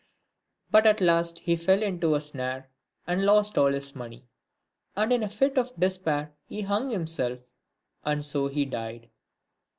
III. But at last he fell into a snare, and lost all his money, and in a fit of despair he hung himself, and so he died.